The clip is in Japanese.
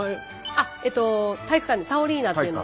あっ体育館でサオリーナっていうのが。